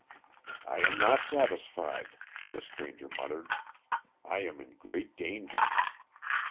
"I am not satisfied," the stranger muttered. "I am in great danger."